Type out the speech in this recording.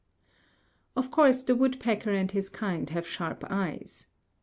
Of course the woodpecker and his kind have sharp eyes.